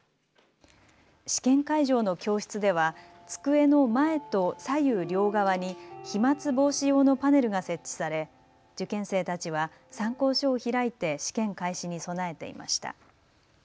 試験会場の教室では机の前と左右両側に飛まつ防止用のパネルが設置され受験生たちは参考書を開いて試験開始に備えていました。